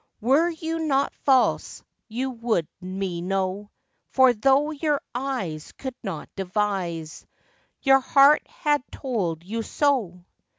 Were you not false, you would me know; For though your eyes Could not devise, Your heart had told you so.